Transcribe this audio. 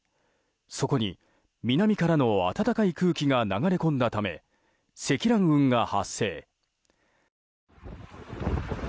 そこに南からの暖かい空気が流れ込んだため積乱雲が発生。